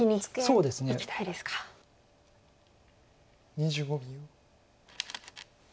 ２５秒。